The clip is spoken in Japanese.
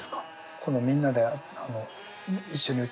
このみんなで一緒に歌うってことは。